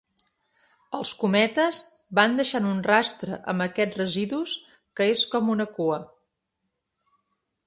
Els cometes van deixant un rastre amb aquests residus, que és com una cua.